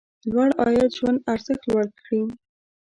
لوړ عاید ژوند ارزښت لوړ کړي.